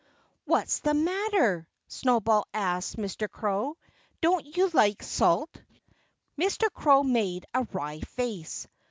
"What's the matter?" Snowball asked Mr. Crow. "Don't you like salt?" Mr. Crow made a wry face.